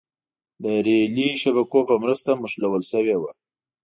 د رېلي شبکو په مرسته نښلول شوې وه.